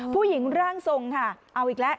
ผู้หญิงร่างทรงค่ะเอาอีกแล้ว